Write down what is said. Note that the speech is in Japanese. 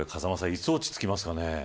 いつ落ち着きますかね。